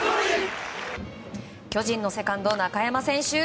巨人のセカンド、中山選手